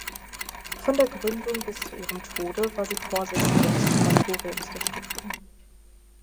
Von der Gründung bis zu ihrem Tode war sie Vorsitzende des Kuratoriums der Stiftung.